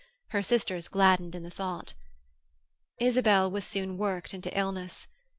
Her sisters gladdened in the thought. Isabel was soon worked into illness.